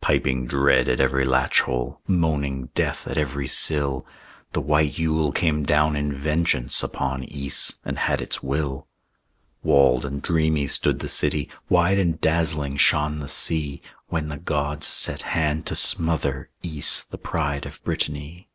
Piping dread at every latch hole, Moaning death at every sill, The white Yule came down in vengeance Upon Ys, and had its will. Walled and dreamy stood the city, Wide and dazzling shone the sea, When the gods set hand to smother Ys, the pride of Brittany.